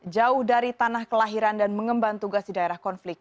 jauh dari tanah kelahiran dan mengemban tugas di daerah konflik